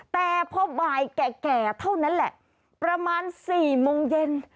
แต่พอบ่ายแก่เท่านั้นแหละประมาณ๔โมงเย็น